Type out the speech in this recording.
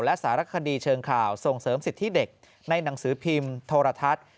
และสารคดีเชิงข่าวส่งเสริมสิทธิเด็กในหนังสือพิมพ์โทรทัศน์